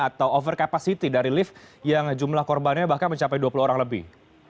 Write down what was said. atau over capacity dari lift yang jumlah korbannya bahkan mencapai dua puluh orang lebih